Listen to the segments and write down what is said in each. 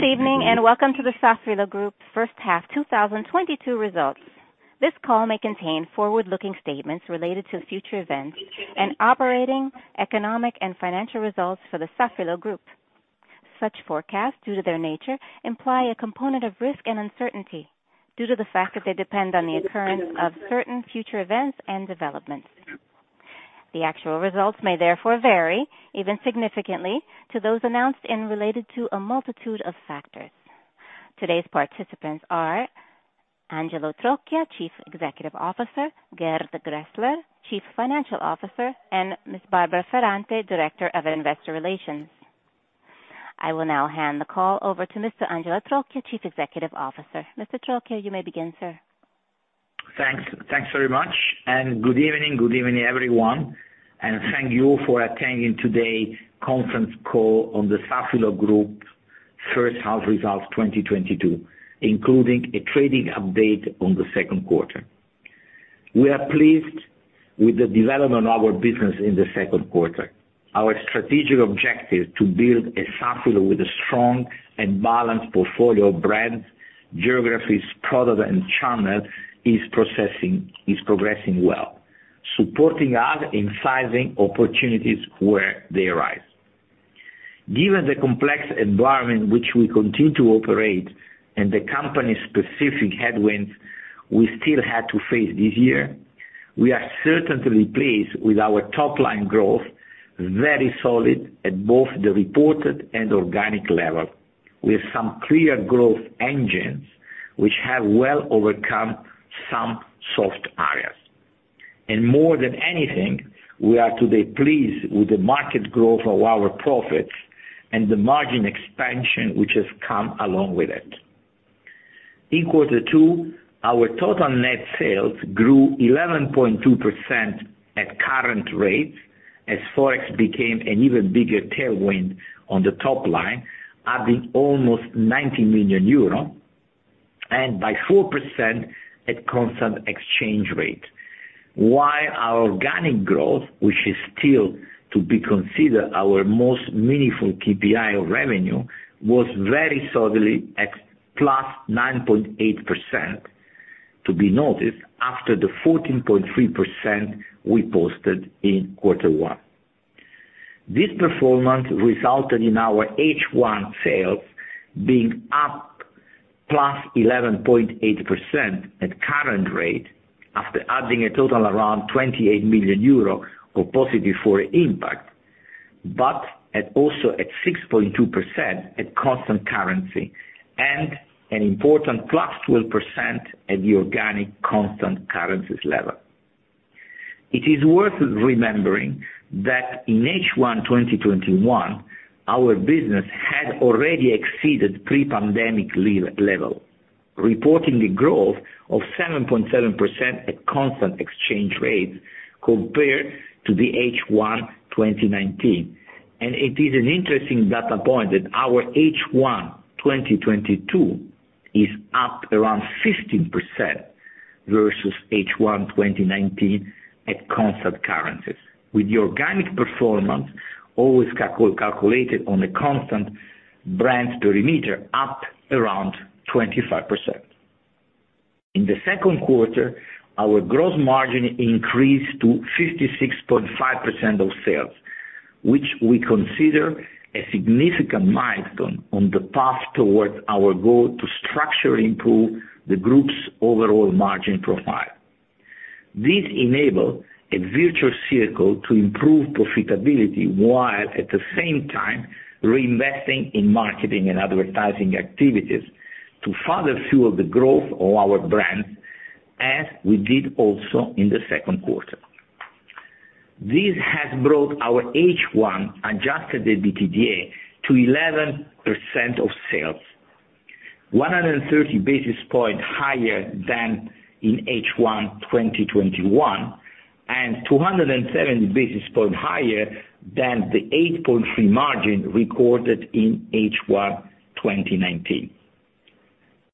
Good evening and welcome to the Safilo Group First Half 2022 Results. This call may contain forward-looking statements related to future events and operating economic and financial results for the Safilo Group. Such forecasts, due to their nature, imply a component of risk and uncertainty due to the fact that they depend on the occurrence of certain future events and developments. The actual results may therefore vary even significantly to those announced and related to a multitude of factors. Today's participants are Angelo Trocchia, Chief Executive Officer, Gerd Graehsler, Chief Financial Officer, and Ms. Barbara Ferrante, Director of Investor Relations. I will now hand the call over to Mr. Angelo Trocchia, Chief Executive Officer. Mr. Trocchia, you may begin, sir. Thanks. Thanks very much and good evening. Good evening, everyone, and thank you for attending today's conference call on the Safilo Group first half results 2022, including a trading update on the second quarter. We are pleased with the development of our business in the second quarter. Our strategic objective to build a Safilo with a strong and balanced portfolio of brands, geographies, products, and channels is progressing well, supporting us in sizing opportunities where they arise. Given the complex environment which we continue to operate and the company's specific headwinds we still had to face this year, we are certainly pleased with our top line growth, very solid at both the reported and organic level, with some clear growth engines which have well overcome some soft areas. More than anything, we are today pleased with the market growth of our profits and the margin expansion which has come along with it. In quarter two, our total net sales grew 11.2% at current rates as Forex became an even bigger tailwind on the top line, adding almost 90 million euro and by 4% at constant exchange rate. While our organic growth, which is still to be considered our most meaningful KPI of revenue, was very solidly at +9.8% to be noticed after the 14.3% we posted in quarter one. This performance resulted in our H1 sales being up +11.8% at current rate after adding a total around 28 million euro of positive foreign impact, but also at 6.2% at constant currency and an important +12% at the organic constant currencies level. It is worth remembering that in H1 2021, our business had already exceeded pre-pandemic level, reporting a growth of 7.7% at constant exchange rates compared to the H1 2019. It is an interesting data point that our H1 2022 is up around 15% versus H1 2019 at constant currencies, with the organic performance always calculated on a constant brand perimeter up around 25%. In the second quarter, our gross margin increased to 56.5% of sales, which we consider a significant milestone on the path towards our goal to structurally improve the group's overall margin profile. This enables a virtuous circle to improve profitability, while at the same time reinvesting in marketing and advertising activities to further fuel the growth of our brand as we did also in the second quarter. This has brought our H1 adjusted EBITDA to 11% of sales, 130 basis points higher than in H1 2021, and 207 basis points higher than the 8.3% margin recorded in H1 2019.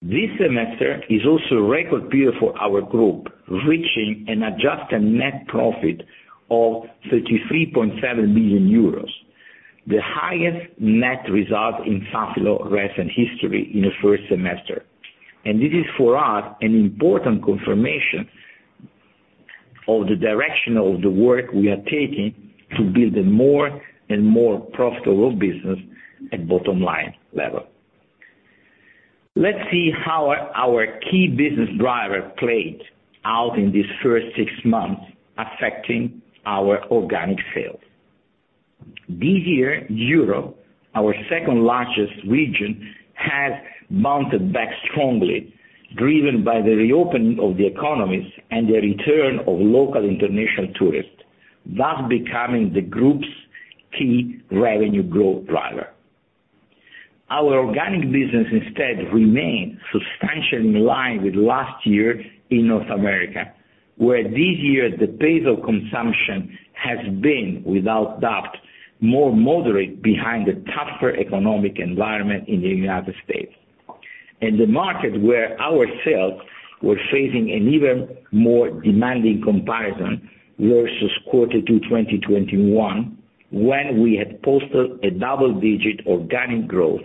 This semester is also a record period for our group, reaching an adjusted net profit of 33.7 million euros, the highest net result in Safilo's recent history in the first semester. This is for us, an important confirmation of the direction of the work we are taking to build a more and more profitable business at bottom line level. Let's see how our key business driver played out in these first six months, affecting our organic sales. This year, Europe, our second largest region, has bounced back strongly, driven by the reopening of the economies and the return of local international tourists, thus becoming the group's key revenue growth driver. Our organic business instead remained substantially in line with last year in North America, where this year the pace of consumption has been without doubt, more moderate behind the tougher economic environment in the United States. The market where our sales were facing an even more demanding comparison versus quarter two 2021, when we had posted a double-digit organic growth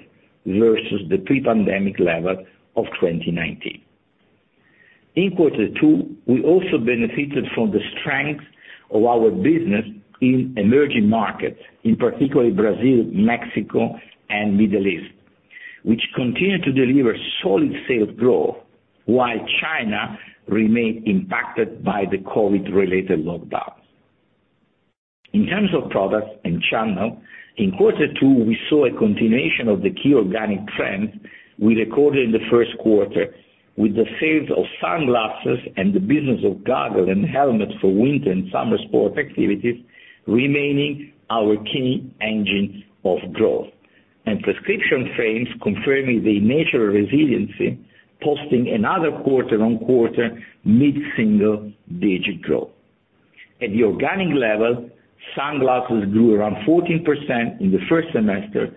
versus the pre-pandemic level of 2019. In quarter two, we also benefited from the strength of our business in emerging markets, in particular Brazil, Mexico, and Middle East, which continued to deliver solid sales growth, while China remained impacted by the COVID-related lockdowns. In terms of products and channels, in quarter two, we saw a continuation of the key organic trends we recorded in the first quarter, with the sales of sunglasses and the business of goggles and helmets for winter and summer sport activities remaining our key engine of growth, prescription frames confirming their natural resiliency, posting another quarter-on-quarter mid-single digit growth. At the organic level, sunglasses grew around 14% in the first semester,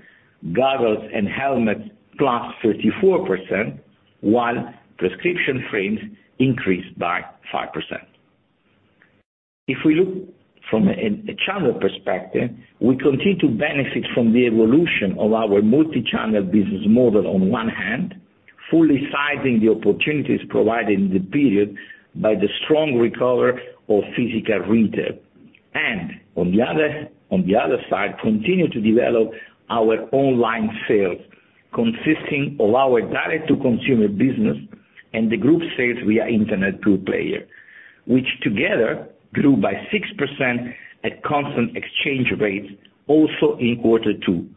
goggles and helmets +34%, while prescription frames increased by 5%. If we look from a channel perspective, we continue to benefit from the evolution of our multi-channel business model on one hand, fully seizing the opportunities provided in the period by the strong recovery of physical retail. On the other side, we continue to develop our online sales, consisting of our direct to consumer business and the group sales via internet to players, which together grew by 6% at constant exchange rates also in quarter two,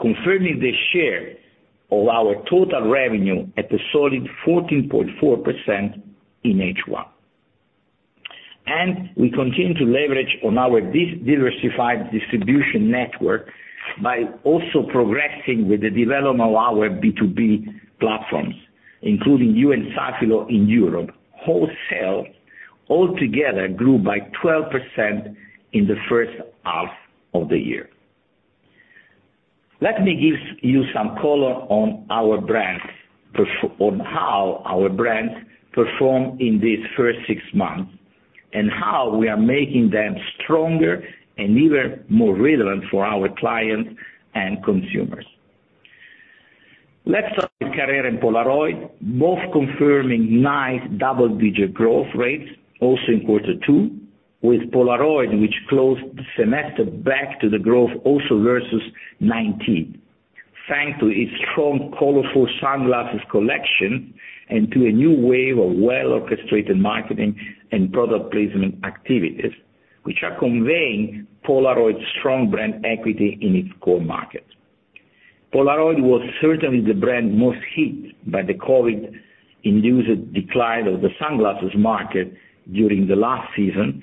confirming the share of our total revenue at a solid 14.4% in H1. We continue to leverage on our diversified distribution network by also progressing with the development of our B2B platforms, including You&Safilo in Europe. Wholesale altogether grew by 12% in the first half of the year. Let me give you some color on our brands on how our brands performed in these first six months, and how we are making them stronger and even more relevant for our clients and consumers. Let's start with Carrera and Polaroid, both confirming nice double-digit growth rates also in quarter two, with Polaroid, which closed the semester back to the growth also versus 2019. Thanks to its strong, colorful sunglasses collection and to a new wave of well-orchestrated marketing and product placement activities, which are conveying Polaroid's strong brand equity in its core market. Polaroid was certainly the brand most hit by the COVID induced decline of the sunglasses market during the last season,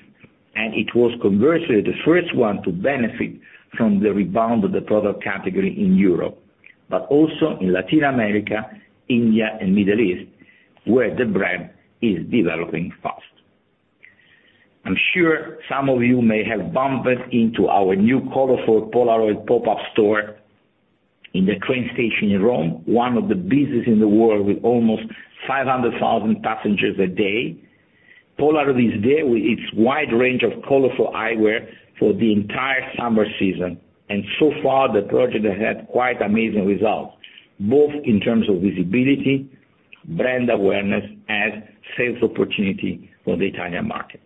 and it was conversely the first one to benefit from the rebound of the product category in Europe, but also in Latin America, India, and Middle East, where the brand is developing fast. I'm sure some of you may have bumped into our new colorful Polaroid pop-up store in the train station in Rome, one of the busiest in the world, with almost 500,000 passengers a day. Polaroid is there with its wide range of colorful eyewear for the entire summer season, and so far the project has had quite amazing results, both in terms of visibility, brand awareness, and sales opportunity for the Italian market.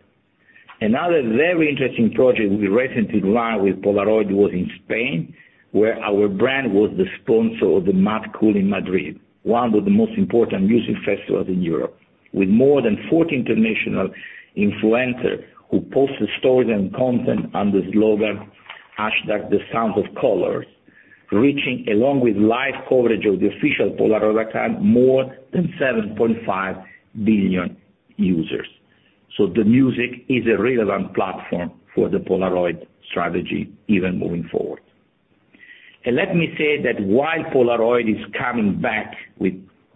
Another very interesting project we recently launched with Polaroid was in Spain, where our brand was the sponsor of the Mad Cool in Madrid, one of the most important music festivals in Europe. With more than 40 international influencers who post stories and content under the slogan hashtag The Sound of Color, reaching, along with live coverage of the official Polaroid account, more than 7.5 billion users. The music is a relevant platform for the Polaroid strategy, even moving forward. Let me say that while Polaroid is coming back with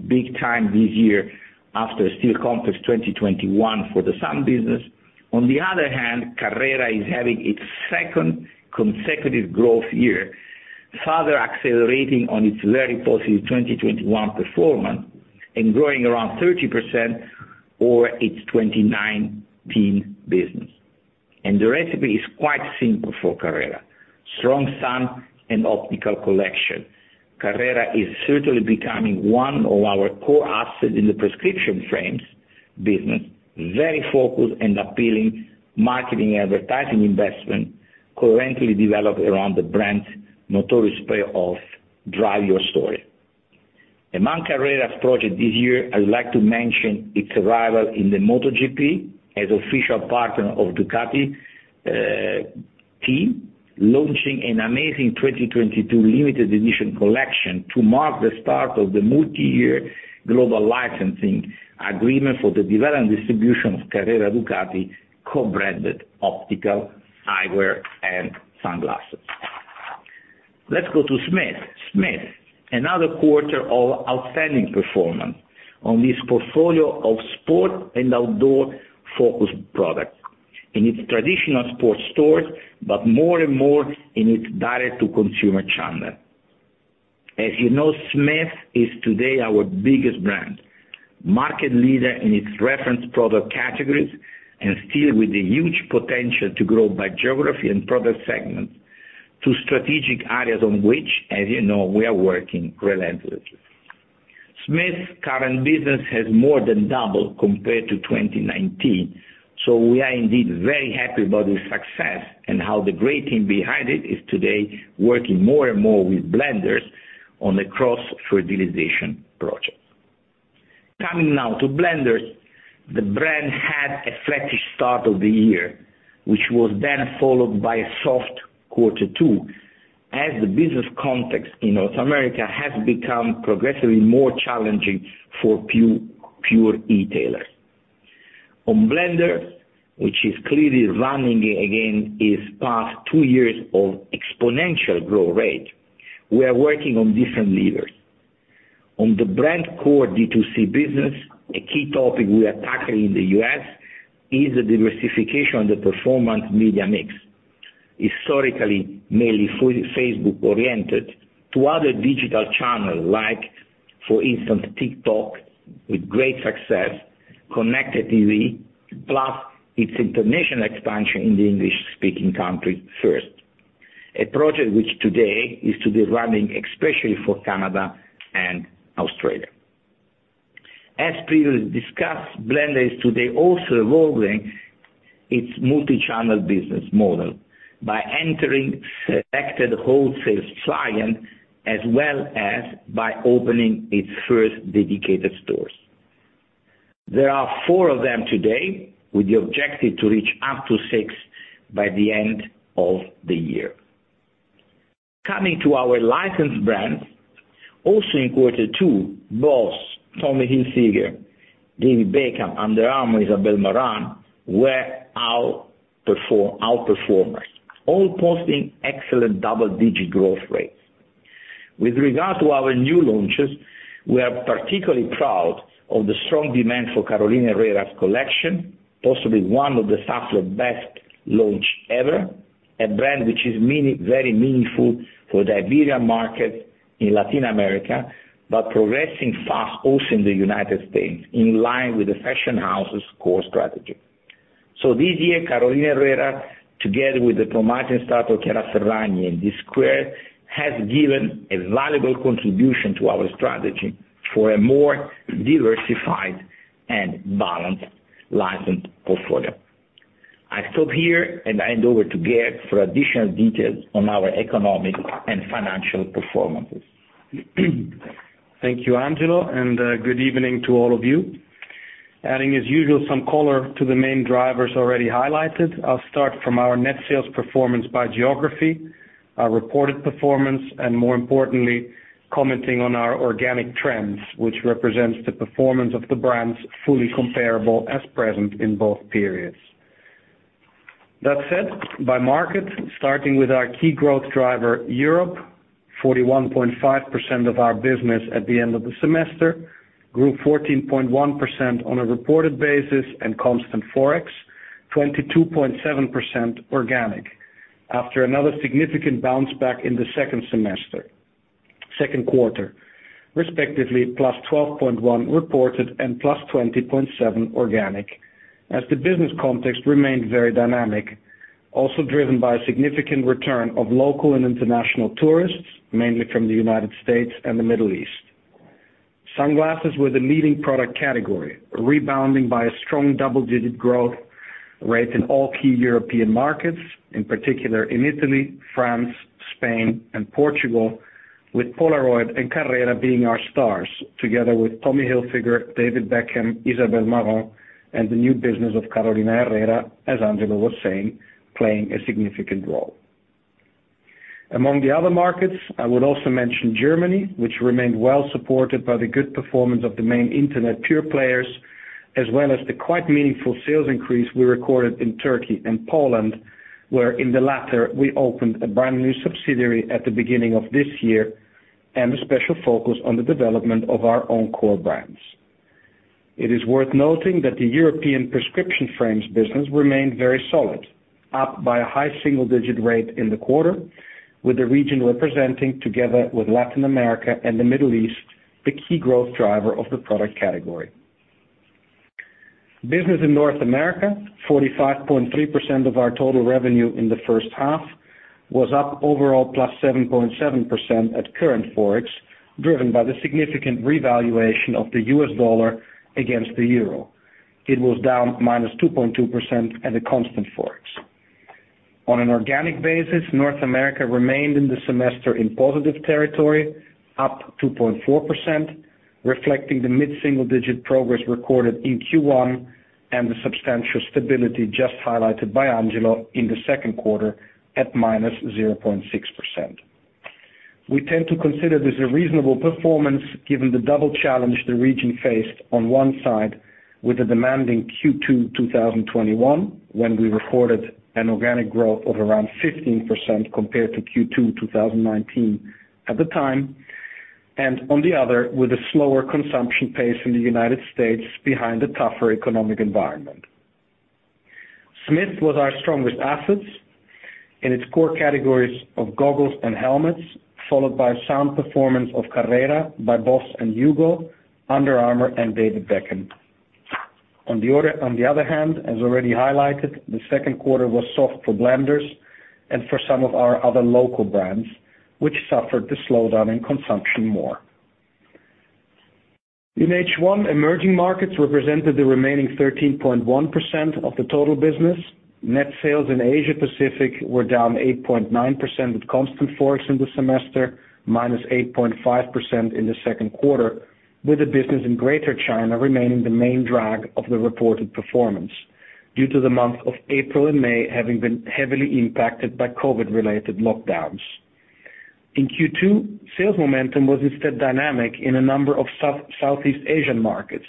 big time this year after a still complex 2021 for the sun business, on the other hand, Carrera is having its second consecutive growth year, further accelerating on its very positive 2021 performance and growing around 30% over its 2019 business. The recipe is quite simple for Carrera. Strong sun and optical collection. Carrera is certainly becoming one of our core assets in the prescription frames business, very focused and appealing marketing advertising investment currently developed around the brand's notorious payoff, Drive Your Story. Among Carrera's projects this year, I would like to mention its arrival in the MotoGP as official partner of Ducati team, launching an amazing 2022 limited edition collection to mark the start of the multi-year global licensing agreement for the development distribution of Carrera Ducati co-branded optical eyewear and sunglasses. Let's go to Smith. Smith, another quarter of outstanding performance on this portfolio of sport and outdoor-focused products. In its traditional sports stores, but more and more in its direct to consumer channel. As you know, Smith is today our biggest brand, market leader in its reference product categories, and still with the huge potential to grow by geography and product segments to strategic areas on which, as you know, we are working relentlessly. Smith's current business has more than doubled compared to 2019, so we are indeed very happy about this success and how the great team behind it is today working more and more with Blenders on the cross-fertilization project. Coming now to Blenders. The brand had a flattish start of the year, which was then followed by a soft quarter two, as the business context in North America has become progressively more challenging for pure e-tailers. On Blenders, which is clearly running again its past two years of exponential growth rate, we are working on different levers. On the brand core D2C business, a key topic we are tackling in the U.S. is the diversification of the performance media mix. Historically, mainly Facebook oriented to other digital channels like, for instance, TikTok, with great success, connected TV, plus its international expansion in the English-speaking country first. A project which today is to be running especially for Canada and Australia. As previously discussed, Blenders is today also evolving its multi-channel business model by entering selected wholesale clients as well as by opening its first dedicated stores. There are four of them today, with the objective to reach up to six by the end of the year. Coming to our licensed brands, also in quarter two, Boss, Tommy Hilfiger, David Beckham, Under Armour, ISABEL MARANT, were outperformers, all posting excellent double-digit growth rates. With regard to our new launches, we are particularly proud of the strong demand for Carolina Herrera's collection, possibly one of the Safilo best launch ever, a brand which is very meaningful for the Iberian market in Latin America, but progressing fast also in the United States, in line with the fashion house's core strategy. This year, Carolina Herrera, together with the promising start of Chiara Ferragni and DSQUARED2, has given a valuable contribution to our strategy for a more diversified and balanced licensed portfolio. I stop here and hand over to Gerd for additional details on our economic and financial performances. Thank you, Angelo, and good evening to all of you. Adding as usual, some color to the main drivers already highlighted, I'll start from our net sales performance by geography, our reported performance, and more importantly, commenting on our organic trends, which represents the performance of the brands fully comparable as present in both periods. That said, by market, starting with our key growth driver, Europe, 41.5% of our business at the end of the semester grew 14.1% on a reported basis and constant forex, 22.7% organic, after another significant bounce back in the second quarter, respectively, +12.1% reported and +20.7% organic, as the business context remained very dynamic, also driven by a significant return of local and international tourists, mainly from the United States and the Middle East. Sunglasses were the leading product category, rebounding by a strong double-digit growth rate in all key European markets, in particular in Italy, France, Spain, and Portugal, with Polaroid and Carrera being our stars, together with Tommy Hilfiger, David Beckham, ISABEL MARANT, and the new business of Carolina Herrera, as Angelo was saying, playing a significant role. Among the other markets, I would also mention Germany, which remained well supported by the good performance of the main internet pure players, as well as the quite meaningful sales increase we recorded in Turkey and Poland, where in the latter, we opened a brand-new subsidiary at the beginning of this year and a special focus on the development of our own core brands. It is worth noting that the European prescription frames business remained very solid, up by a high single-digit rate in the quarter, with the region representing, together with Latin America and the Middle East, the key growth driver of the product category. Business in North America, 45.3% of our total revenue in the first half, was up overall +7.7% at current forex, driven by the significant revaluation of the U.S. dollar against the euro. It was down -2.2% at a constant forex. On an organic basis, North America remained in the semester in positive territory, up 2.4%, reflecting the mid-single-digit progress recorded in Q1 and the substantial stability just highlighted by Angelo in the second quarter at -0.6%. We tend to consider this a reasonable performance given the double challenge the region faced on one side with the demanding Q2 2021, when we recorded an organic growth of around 15% compared to Q2 2019 at the time. On the other, with a slower consumption pace in the United States behind the tougher economic environment. Smith was our strongest assets in its core categories of goggles and helmets, followed by sound performance of Carrera, Boss and Hugo, Under Armour, and David Beckham. On the other hand, as already highlighted, the second quarter was soft for Blenders and for some of our other local brands, which suffered the slowdown in consumption more. In H1, emerging markets represented the remaining 13.1% of the total business. Net sales in Asia Pacific were down 8.9% with constant forex in the semester, -8.5% in the second quarter, with the business in Greater China remaining the main drag of the reported performance due to the month of April and May having been heavily impacted by COVID-related lockdowns. In Q2, sales momentum was instead dynamic in a number of South, Southeast Asian markets,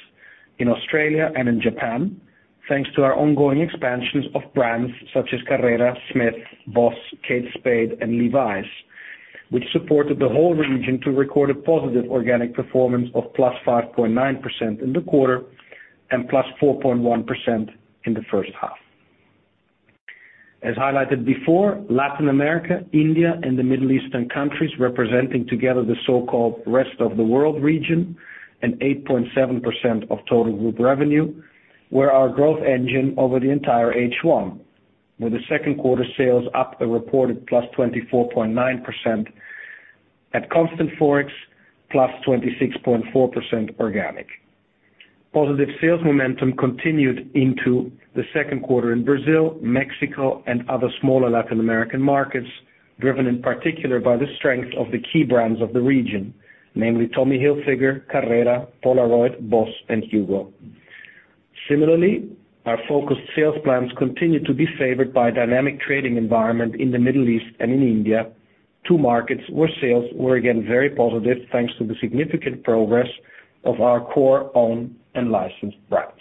in Australia and in Japan, thanks to our ongoing expansions of brands such as Carrera, Smith, Boss, Kate Spade, and Levi's, which supported the whole region to record a positive organic performance of +5.9% in the quarter and +4.1% in the first half. As highlighted before, Latin America, India and the Middle Eastern countries, representing together the so-called rest of the world region and 8.7% of total group revenue, were our growth engine over the entire H1, with the second quarter sales up a reported +24.9% at constant forex, +26.4% organic. Positive sales momentum continued into the second quarter in Brazil, Mexico, and other smaller Latin American markets, driven in particular by the strength of the key brands of the region, namely Tommy Hilfiger, Carrera, Polaroid, Boss, and Hugo. Similarly, our focused sales plans continued to be favored by a dynamic trading environment in the Middle East and in India, two markets where sales were again very positive, thanks to the significant progress of our core own and licensed brands.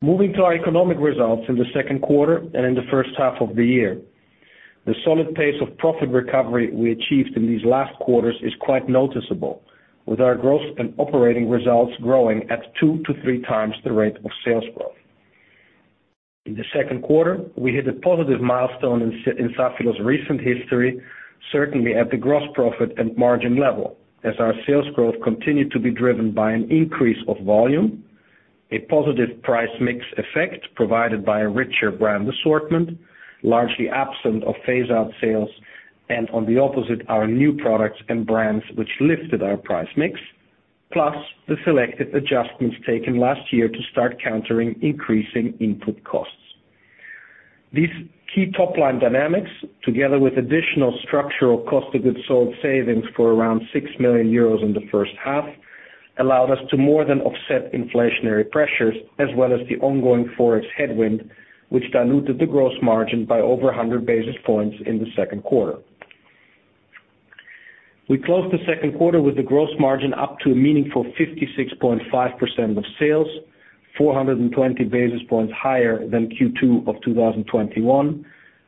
Moving to our economic results in the second quarter and in the first half of the year. The solid pace of profit recovery we achieved in these last quarters is quite noticeable, with our growth and operating results growing at two to three times the rate of sales growth. In the second quarter, we hit a positive milestone in Safilo's recent history, certainly at the gross profit and margin level, as our sales growth continued to be driven by an increase of volume, a positive price mix effect provided by a richer brand assortment, largely absent of phase-out sales, and on the opposite, our new products and brands which lifted our price mix, plus the selected adjustments taken last year to start countering increasing input costs. These key top-line dynamics, together with additional structural cost of goods sold savings for around 6 million euros in the first half, allowed us to more than offset inflationary pressures as well as the ongoing Forex headwind, which diluted the gross margin by over 100 basis points in the second quarter. We closed the second quarter with the gross margin up to a meaningful 56.5% of sales, 420 basis points higher than Q2 of 2021,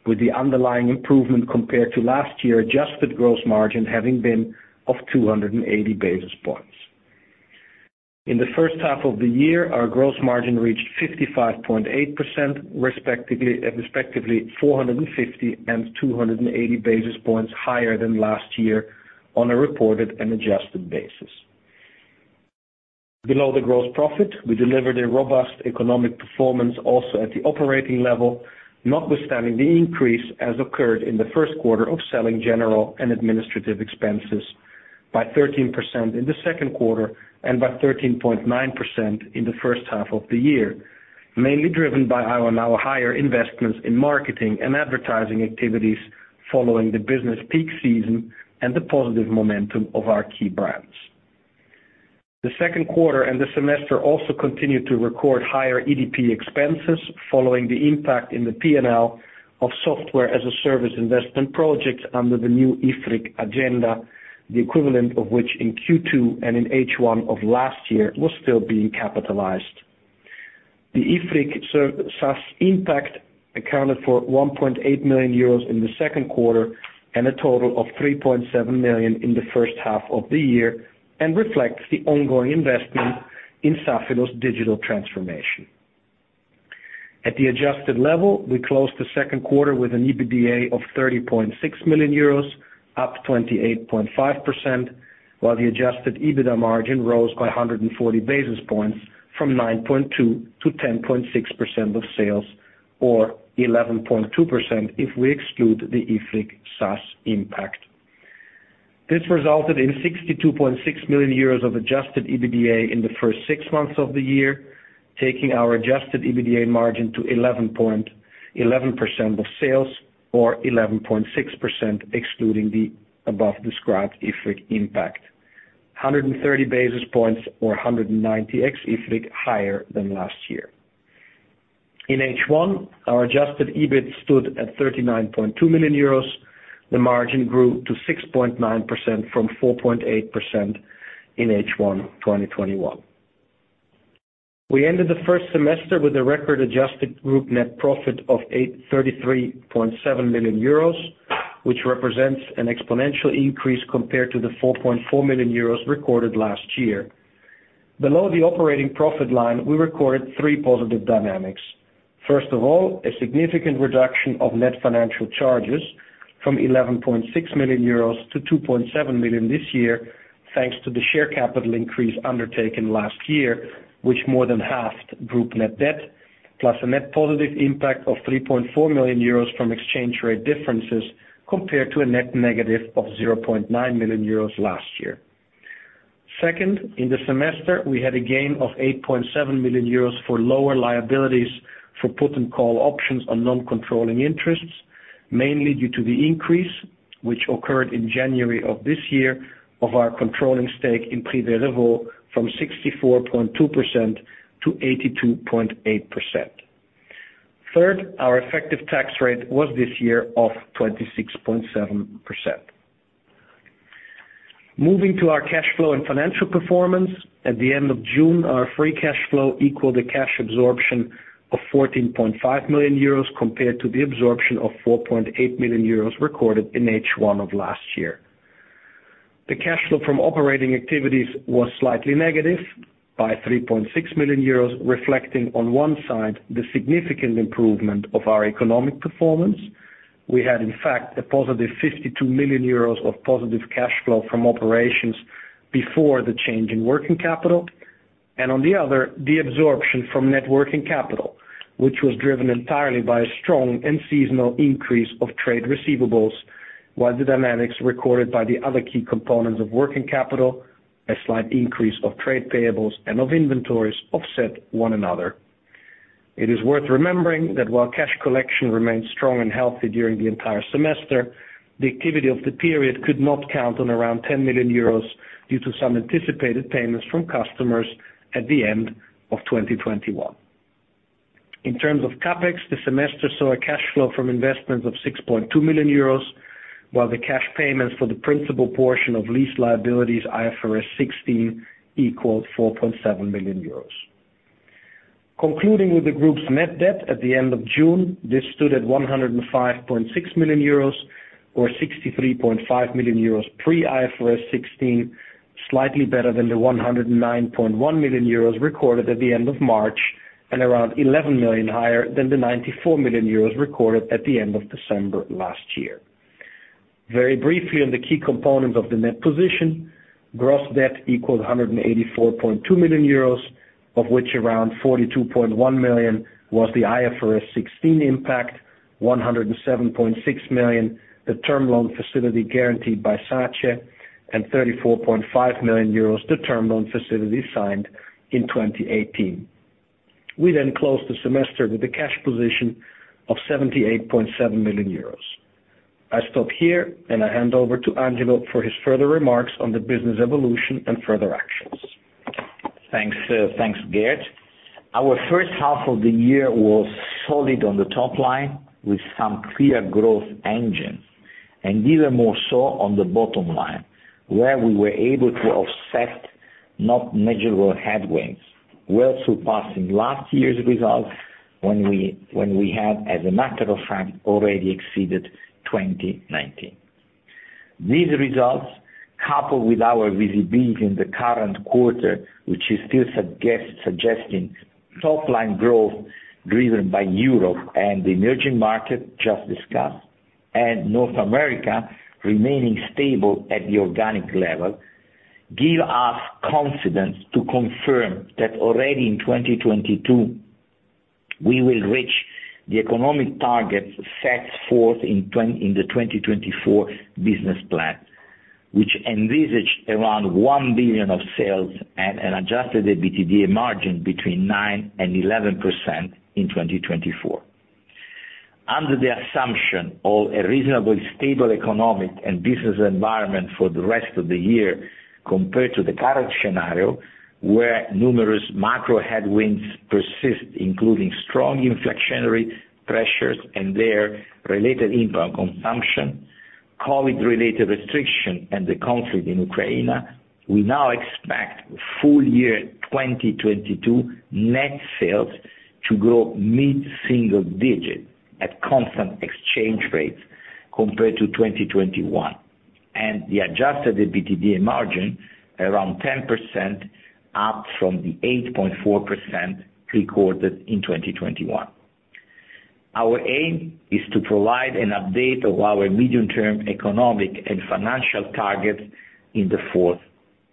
with the underlying improvement compared to last year adjusted gross margin having been of 280 basis points. In the first half of the year, our gross margin reached 55.8%, respectively 450 basis points and 280 basis points higher than last year on a reported and adjusted basis. Below the gross profit, we delivered a robust economic performance also at the operating level, notwithstanding the increase as occurred in the first quarter of selling general and administrative expenses by 13% in the second quarter and by 13.9% in the first half of the year, mainly driven by our now higher investments in marketing and advertising activities following the business peak season and the positive momentum of our key brands. The second quarter and the semester also continued to record higher EDP expenses following the impact in the P&L of software-as-a-service investment projects under the new IFRIC agenda, the equivalent of which in Q2 and in H1 of last year was still being capitalized. The IFRIC SaaS impact accounted for 1.8 million euros in the second quarter and a total of 3.7 million in the first half of the year and reflects the ongoing investment in Safilo's digital transformation. At the adjusted level, we closed the second quarter with an EBITDA of 30.6 million euros, up 28.5%, while the adjusted EBITDA margin rose by 140 basis points from 9.2%-10.6% of sales, or 11.2% if we exclude the IFRIC SaaS impact. This resulted in 62.6 million euros of adjusted EBITDA in the first six months of the year, taking our adjusted EBITDA margin to 11.1% of sales or 11.6% excluding the above described IFRIC impact. 130 basis points or 190 ex-IFRIC higher than last year. In H1, our adjusted EBIT stood at 39.2 million euros. The margin grew to 6.9% from 4.8% in H1 2021. We ended the first semester with a record adjusted group net profit of 83.7 million euros, which represents an exponential increase compared to the 4.4 million euros recorded last year. Below the operating profit line, we recorded three positive dynamics. First of all, a significant reduction of net financial charges from 11.6 million-2.7 million euros this year, thanks to the share capital increase undertaken last year, which more than halved group net debt, plus a net positive impact of 3.4 million euros from exchange rate differences compared to a net negative of 0.9 million euros last year. Second, in the semester, we had a gain of 8.7 million euros for lower liabilities for put and call options on non-controlling interests, mainly due to the increase which occurred in January of this year of our controlling stake in Privé Revaux from 64.2%-82.8%. Third, our effective tax rate was this year of 26.7%. Moving to our cash flow and financial performance, at the end of June, our free cash flow equaled a cash absorption of 14.5 million euros compared to the absorption of 4.8 million euros recorded in H1 of last year. The cash flow from operating activities was slightly negative by 3.6 million euros, reflecting on one side the significant improvement of our economic performance. We had, in fact, a positive 52 million euros of positive cash flow from operations before the change in working capital. On the other, the absorption from net working capital, which was driven entirely by a strong and seasonal increase of trade receivables, while the dynamics recorded by the other key components of working capital, a slight increase of trade payables and of inventories offset one another. It is worth remembering that while cash collection remained strong and healthy during the entire semester, the activity of the period could not count on around 10 million euros due to some anticipated payments from customers at the end of 2021. In terms of CapEx, the semester saw a cash flow from investments of 6.2 million euros, while the cash payments for the principal portion of lease liabilities IFRS 16 equaled 4.7 million euros. Concluding with the group's net debt at the end of June, this stood at 105.6 million euros or 63.5 million euros pre-IFRS 16, slightly better than the 109.1 million euros recorded at the end of March and around 11 million higher than the 94 million euros recorded at the end of December last year. Very briefly on the key component of the net position, gross debt equaled 184.2 million euros, of which around 42.1 million was the IFRS 16 impact, 107.6 million, the term loan facility guaranteed by SACE, and 34.5 million euros, the term loan facility signed in 2018. We closed the semester with a cash position of 78.7 million euros. I stop here, and I hand over to Angelo for his further remarks on the business evolution and further actions. Thanks, thanks, Gerd. Our first half of the year was solid on the top line with some clear growth engines, and even more so on the bottom line, where we were able to offset notable headwinds, well surpassing last year's results when we had, as a matter of fact, already exceeded 2019. These results, coupled with our visibility in the current quarter, which is still suggesting top line growth driven by Europe and the emerging market just discussed, and North America remaining stable at the organic level, give us confidence to confirm that already in 2022, we will reach the economic targets set forth in the 2024 business plan, which envisage around 1 billion of sales at an adjusted EBITDA margin between 9% and 11% in 2024. Under the assumption of a reasonably stable economic and business environment for the rest of the year compared to the current scenario, where numerous macro headwinds persist, including strong inflectionary pressures and their related impact on consumption, COVID-related restriction, and the conflict in Ukraine, we now expect full-year 2022 net sales to grow mid-single-digit at constant exchange rates compared to 2021. The adjusted EBITDA margin around 10%, up from the 8.4% recorded in 2021. Our aim is to provide an update of our medium-term economic and financial targets in the fourth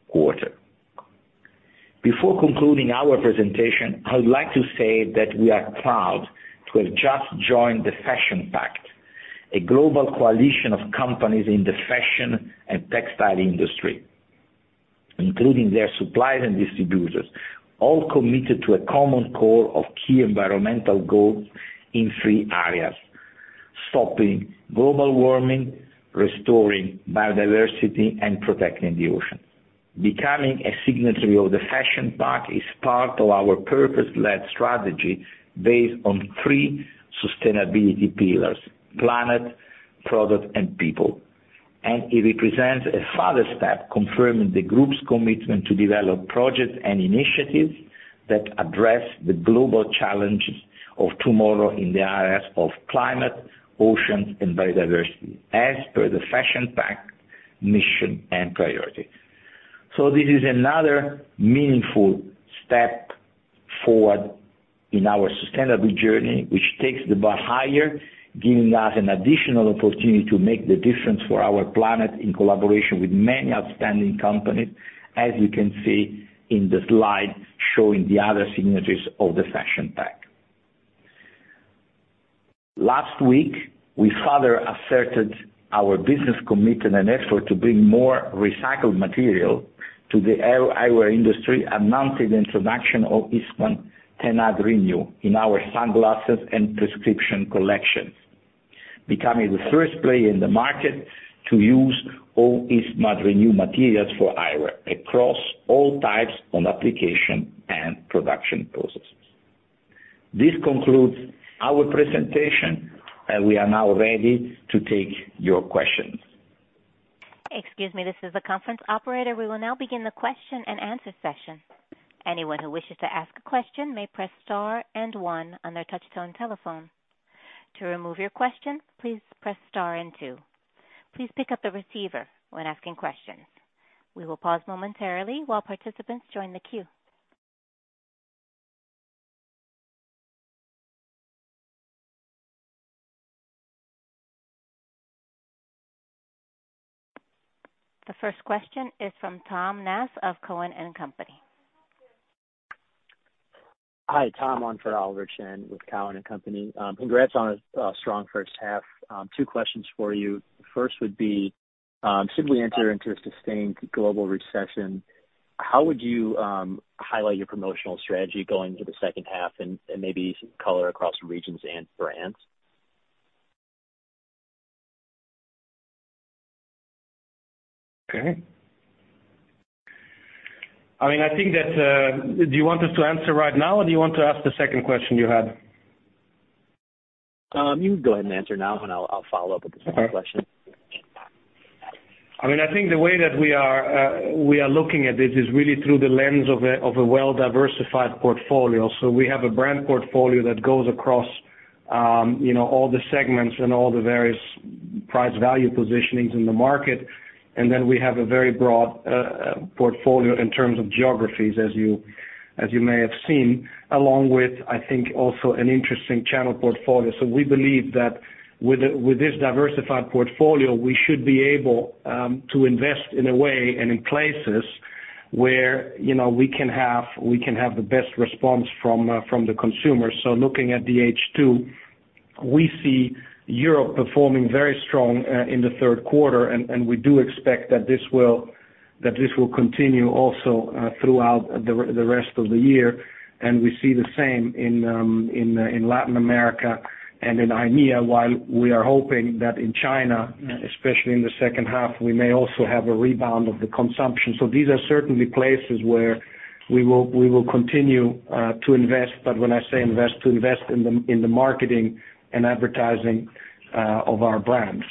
quarter. Before concluding our presentation, I would like to say that we are proud to have just joined the Fashion Pact, a global coalition of companies in the fashion and textile industry, including their suppliers and distributors, all committed to a common core of key environmental goals in three areas, stopping global warming, restoring biodiversity, and protecting the ocean. Becoming a signatory of the Fashion Pact is part of our purpose-led strategy based on three sustainability pillars, planet, product, and people. It represents a further step confirming the group's commitment to develop projects and initiatives that address the global challenges of tomorrow in the areas of climate, oceans, and biodiversity, as per the Fashion Pact mission and priority. This is another meaningful step forward in our sustainable journey, which takes the bar higher, giving us an additional opportunity to make the difference for our planet in collaboration with many outstanding companies, as you can see in the slide showing the other signatures of the Fashion Pact. Last week, we further asserted our business commitment and effort to bring more recycled material to the eyewear industry, announcing the introduction of Eastman Tenite Renew in our sunglasses and prescription collections, becoming the first player in the market to use all Eastman Renew materials for eyewear across all types of application and production processes. This concludes our presentation, and we are now ready to take your questions. Excuse me, this is the conference operator. We will now begin the question-and-answer session. Anyone who wishes to ask a question may press star and one on their touchtone telephone. To remove your question, please press star and two. Please pick up the receiver when asking questions. We will pause momentarily while participants join the queue. The first question is from Tom Nass of Cowen and Company. Hi, Tom on for Oliver Chen with Cowen and Company. Congrats on a strong first half. Two questions for you. First would be, should we enter into a sustained global recession, how would you highlight your promotional strategy going into the second half and maybe color across regions and brands? Okay. I mean, I think that, do you want us to answer right now, or do you want to ask the second question you had? You can go ahead and answer now, and I'll follow up with the second question. Okay. I mean, I think the way that we are looking at this is really through the lens of a well-diversified portfolio. We have a brand portfolio that goes across, you know, all the segments and all the various price value positionings in the market. We have a very broad portfolio in terms of geographies, as you may have seen, along with, I think, also an interesting channel portfolio. We believe that with this diversified portfolio, we should be able to invest in a way and in places where, you know, we can have the best response from the consumers. Looking at the H2, we see Europe performing very strong in the third quarter, and we do expect that this will continue also throughout the rest of the year. We see the same in Latin America and in IMEA, while we are hoping that in China, especially in the second half, we may also have a rebound of the consumption. These are certainly places where we will continue to invest. When I say invest, to invest in the marketing and advertising of our brands.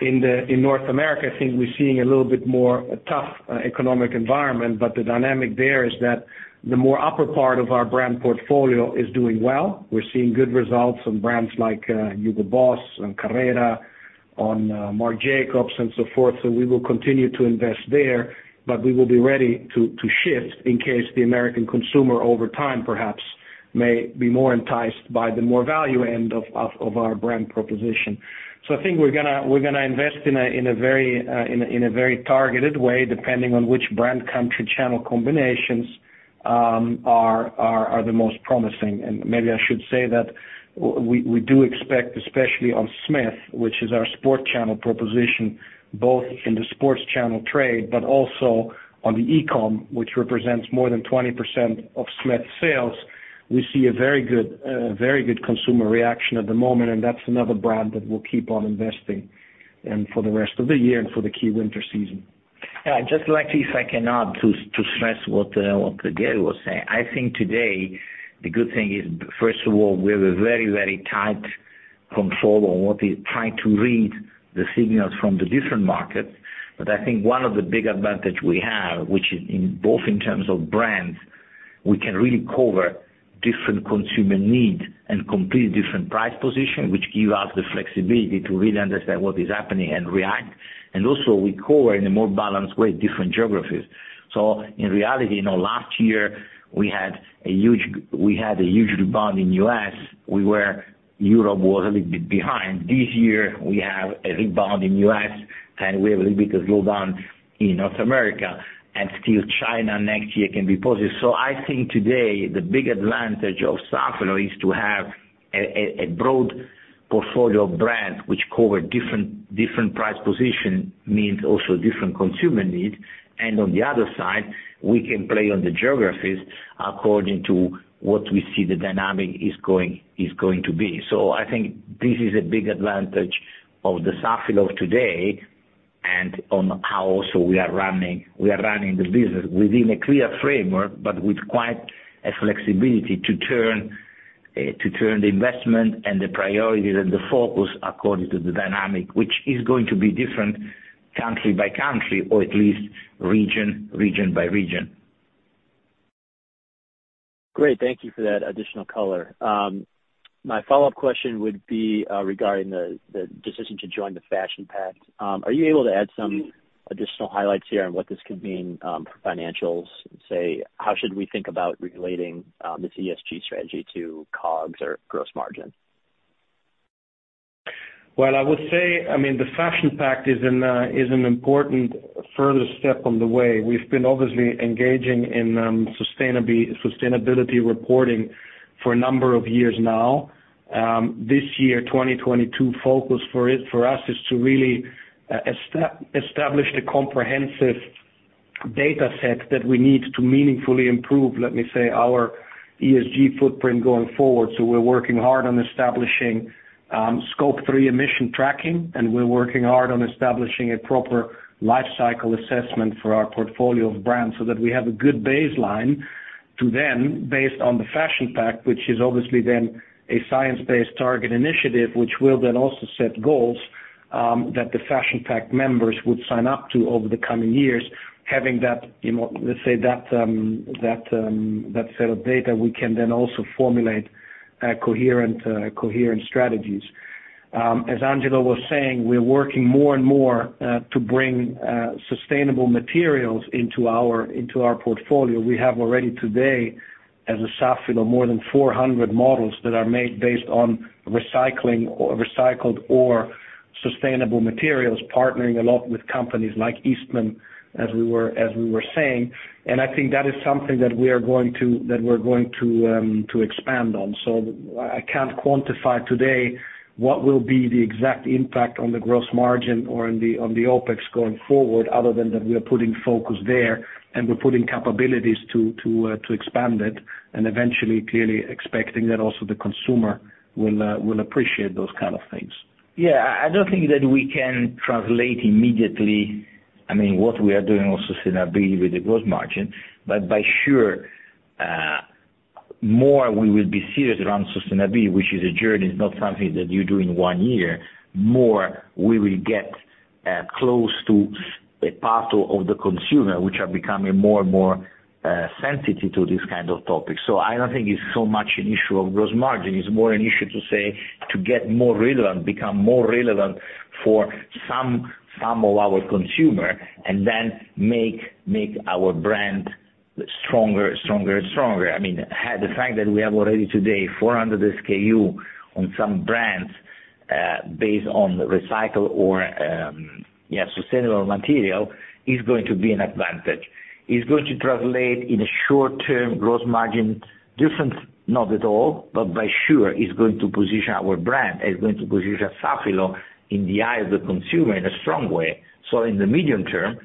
In North America, I think we're seeing a little bit more tough economic environment, but the dynamic there is that the more upper part of our brand portfolio is doing well. We're seeing good results on brands like, Hugo Boss and Carrera, on, Marc Jacobs and so forth. We will continue to invest there, but we will be ready to shift in case the American consumer over time perhaps may be more enticed by the more value end of our brand proposition. I think we're gonna invest in a very targeted way, depending on which brand country channel combinations are the most promising. Maybe I should say that we do expect, especially on Smith, which is our sport channel proposition, both in the sports channel trade, but also on the e-comm, which represents more than 20% of Smith's sales. We see a very good consumer reaction at the moment, and that's another brand that we'll keep on investing for the rest of the year and for the key winter season. Yeah. Just like, if I can add to stress what Gerd was saying. I think today the good thing is, first of all, we have a very, very tight control on what we try to read the signals from the different markets. I think one of the big advantage we have, which is in both in terms of brands, we can really cover different consumer need and compete different price position, which give us the flexibility to really understand what is happening and react. We also cover in a more balanced way, different geographies. In reality, you know, last year we had a huge rebound in U.S., Europe was a little bit behind. This year, we have a rebound in U.S., and we have a little bit of slowdown in North America, and still China next year can be positive. I think today the big advantage of Safilo is to have a broad portfolio of brands which cover different price position, means also different consumer need. On the other side, we can play on the geographies according to what we see the dynamic is going to be. I think this is a big advantage of the Safilo of today and on how also we are running the business within a clear framework, but with quite a flexibility to turn the investment and the priority, then the focus according to the dynamic, which is going to be different country by country, or at least region by region. Great, thank you for that additional color. My follow-up question would be, regarding the decision to join the Fashion Pact. Are you able to add some additional highlights here on what this could mean for financials? Say, how should we think about relating this ESG strategy to COGS or gross margin? Well, I would say, I mean, the Fashion Pact is an important further step on the way. We've been obviously engaging in sustainability reporting for a number of years now. This year, 2022 focus for us is to really establish the comprehensive data set that we need to meaningfully improve, let me say, our ESG footprint going forward. We're working hard on establishing Scope 3 emission tracking, and we're working hard on establishing a proper life cycle assessment for our portfolio of brands so that we have a good baseline to then based on the Fashion Pact, which is obviously then a science-based target initiative. Which will then also set goals that the Fashion Pact members would sign up to over the coming years. Having that, you know, let's say that set of data, we can then also formulate a coherent strategies. As Angelo was saying, we're working more and more to bring sustainable materials into our portfolio. We have already today, as a Safilo, more than 400 models that are made based on recycling or recycled or sustainable materials, partnering a lot with companies like Eastman, as we were saying. I think that is something that we're going to expand on. I can't quantify today what will be the exact impact on the gross margin or on the OpEx going forward, other than that we are putting focus there, and we're putting capabilities to expand it, and eventually clearly expecting that also the consumer will appreciate those kind of things. Yeah. I don't think that we can translate immediately, I mean, what we are doing on sustainability with the gross margin. For sure, more we will be serious around sustainability, which is a journey, it's not something that you do in one year. More we will get close to a part of the consumer, which are becoming more and more sensitive to this kind of topic. I don't think it's so much an issue of gross margin. It's more an issue to say, to get more relevant, become more relevant for some of our consumer, and then make our brand stronger and stronger. I mean, the fact that we have already today 400 SKU on some brands based on recycled or sustainable material is going to be an advantage. It's going to translate into a short term gross margin difference, not at all, but for sure it's going to position our brand. It's going to position Safilo in the eyes of the consumer in a strong way. In the medium term,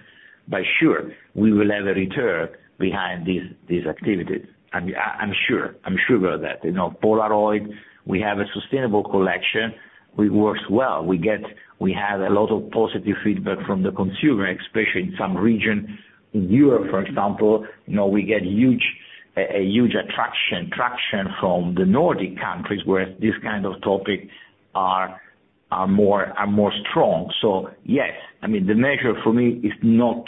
for sure, we will have a return on these activities. I'm sure about that. You know, Polaroid, we have a sustainable collection. It works well. We have a lot of positive feedback from the consumer, especially in some regions. In Europe, for example, you know, we get huge traction from the Nordic countries, where this kind of topics are more strong. Yes. I mean, the measure for me is not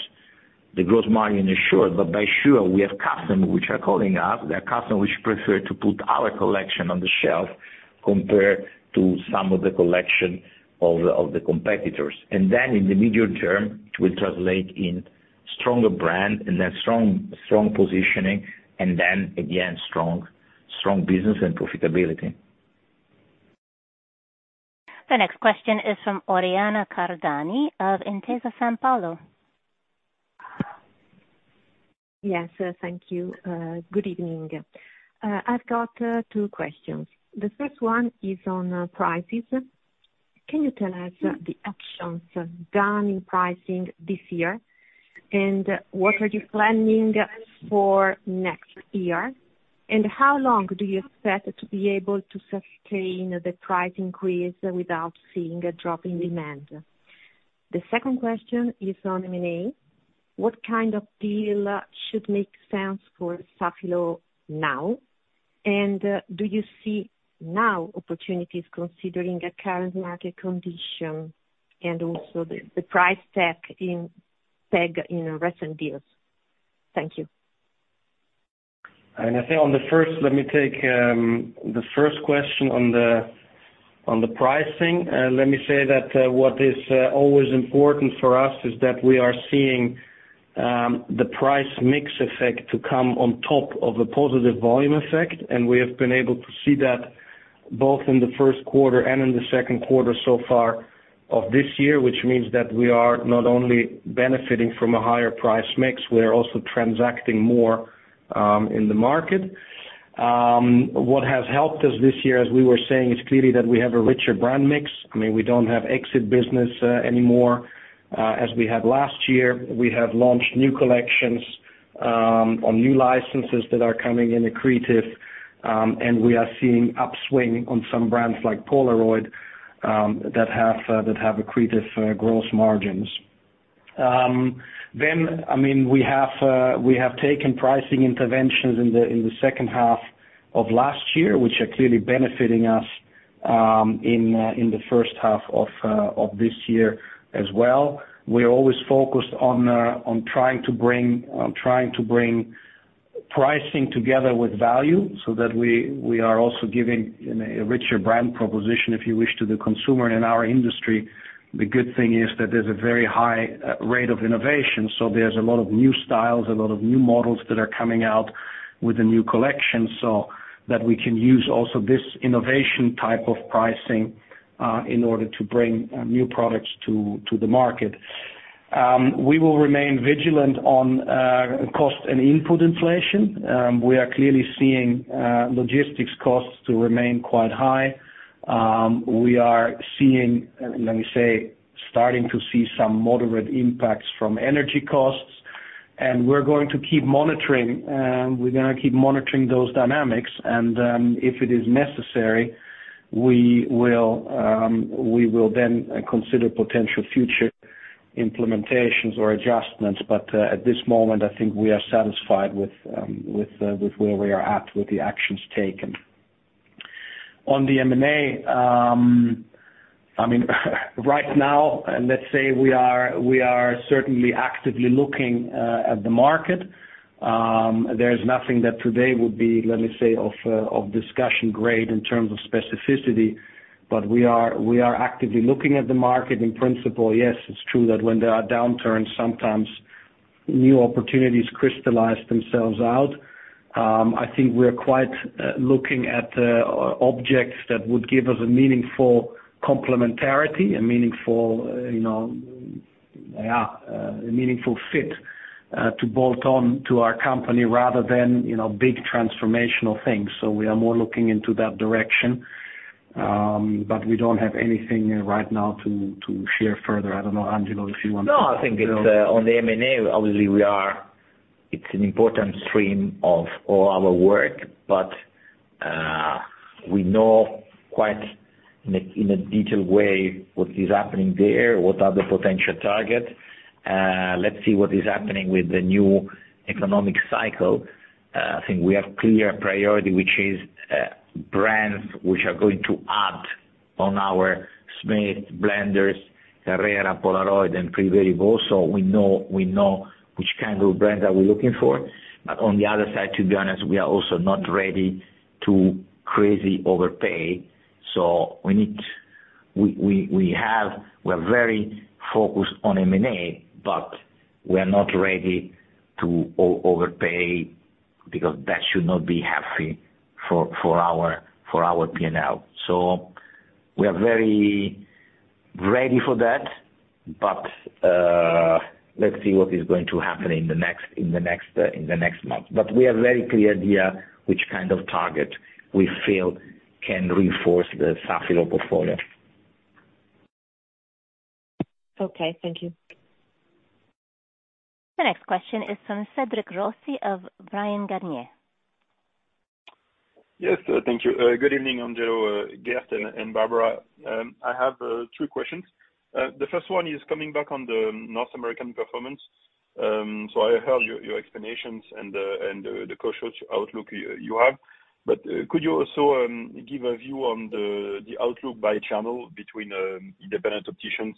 the gross margin as such, but for sure we have customers which are calling us. There are customers which prefer to put our collection on the shelf compared to some of the collection of the competitors. In the medium term, it will translate in stronger brand and then strong positioning and then again, strong business and profitability. The next question is from Oriana Cardani of Intesa Sanpaolo. Yes, thank you. Good evening. I've got two questions. The first one is on prices. Can you tell us the actions done in pricing this year? What are you planning for next year? How long do you expect to be able to sustain the price increase without seeing a drop in demand? The second question is on M&A. What kind of deal should make sense for Safilo now? Do you see now opportunities considering the current market condition and also the price tag in recent deals? Thank you. Let me take the first question on the pricing. Let me say that what is always important for us is that we are seeing the price mix effect to come on top of a positive volume effect. We have been able to see that both in the first quarter and in the second quarter so far of this year, which means that we are not only benefiting from a higher price mix, we are also transacting more in the market. What has helped us this year, as we were saying, is clearly that we have a richer brand mix. I mean, we don't have exit business anymore as we had last year. We have launched new collections on new licenses that are coming in accretive. We are seeing upswing on some brands like Polaroid that have accretive gross margins. I mean, we have taken pricing interventions in the second half of last year, which are clearly benefiting us in the first half of this year as well. We're always focused on trying to bring pricing together with value so that we are also giving a richer brand proposition, if you wish, to the consumer in our industry. The good thing is that there's a very high rate of innovation, so there's a lot of new styles, a lot of new models that are coming out with the new collection, so that we can use also this innovation type of pricing in order to bring new products to the market. We will remain vigilant on cost and input inflation. We are clearly seeing logistics costs to remain quite high. We are seeing, let me say, starting to see some moderate impacts from energy costs. We're going to keep monitoring those dynamics and if it is necessary, we will then consider potential future implementations or adjustments. At this moment, I think we are satisfied with where we are at with the actions taken. On the M&A, I mean, right now, let's say we are certainly actively looking at the market. There's nothing that today would be, let me say, of discussion grade in terms of specificity, but we are actively looking at the market. In principle, yes, it's true that when there are downturns, sometimes new opportunities crystallize themselves out. I think we're quite looking at objects that would give us a meaningful complementarity, a meaningful, you know, yeah, a meaningful fit to bolt on to our company rather than, you know, big transformational things. We are more looking into that direction. We don't have anything right now to share further. I don't know, Angelo, if you want to. No, I think it's on the M&A. Obviously, it's an important stream of all our work. We know in quite a detailed way what is happening there, what are the potential targets. Let's see what is happening with the new economic cycle. I think we have clear priority, which is brands which are going to add on our Smith, Blenders, Carrera, Polaroid, and Privé Revaux. We know which kind of brands we are looking for. On the other side, to be honest, we are also not ready to crazily overpay. We are very focused on M&A, but we're not ready to overpay because that should not be healthy for our P&L. We are very ready for that, but, let's see what is going to happen in the next month. We are very clear here which kind of target we feel can reinforce the Safilo portfolio. Okay, thank you. The next question is from Cédric Rossi of Bryan Garnier. Yes, thank you. Good evening, Angelo, Gerd, and Barbara. I have two questions. The first one is coming back on the North American performance. So I heard your explanations and the cautious outlook you have. Could you also give a view on the outlook by channel between independent opticians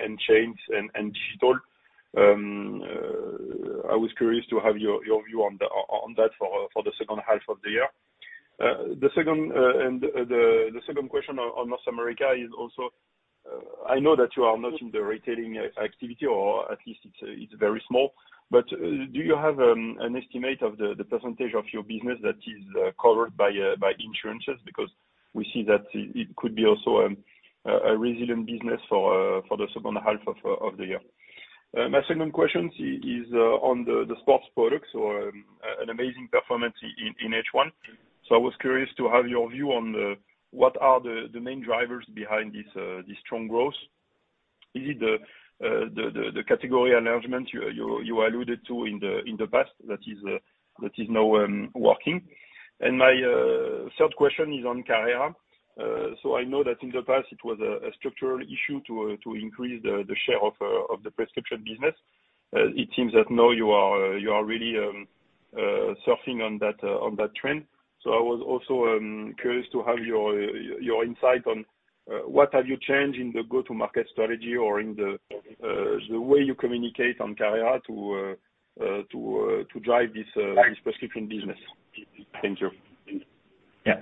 and chains and digital? I was curious to have your view on that for the second half of the year. The second question on North America is also. I know that you are not in the retailing activity, or at least it's very small. Do you have an estimate of the percentage of your business that is covered by insurances? Because we see that it could be also a resilient business for the second half of the year. My second question is on the sports products or an amazing performance in H1. I was curious to have your view on what are the main drivers behind this strong growth. Is it the category enlargement you alluded to in the past that is now working? My third question is on Carrera. I know that in the past it was a structural issue to increase the share of the prescription business. It seems that now you are really surfing on that trend. I was also curious to have your insight on what have you changed in the go-to-market strategy or in the way you communicate on Carrera to drive this prescription business? Thank you. Yeah.